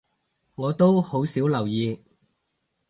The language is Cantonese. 我都好少留意